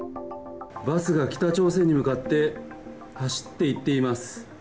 バスが北朝鮮に向かって走っていっています。